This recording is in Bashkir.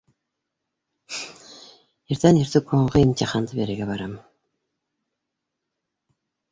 Иртән иртүк һуңғы имтиханды бирергә барам.